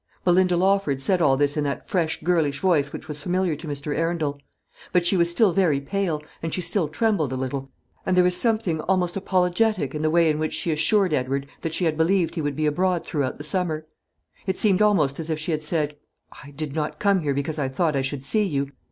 Belinda Lawford said all this in that fresh girlish voice which was familiar to Mr. Arundel; but she was still very pale, and she still trembled a little, and there was something almost apologetic in the way in which she assured Edward that she had believed he would be abroad throughout the summer. It seemed almost as if she had said: "I did not come here because I thought I should see you.